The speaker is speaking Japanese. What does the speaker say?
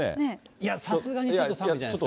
いや、さすがにちょっと寒いんじゃないんですか。